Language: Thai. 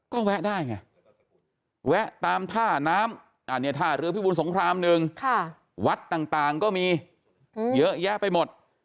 ก็แวะได้ไงแวะตามท่าน้ำอันนี้ท่าเรือพิบุญสงครามหนึ่งวัดต่างก็มีเยอะแยะไปหมด